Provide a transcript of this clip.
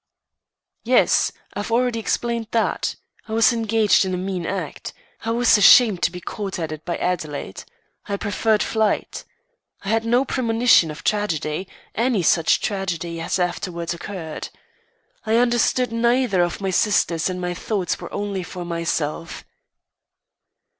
"Yes, I've already explained that. I was engaged in a mean act. I was ashamed to be caught at it by Adelaide. I preferred flight. I had no premonition of tragedy any such tragedy as afterwards occurred. I understood neither of my sisters and my thoughts were only for myself."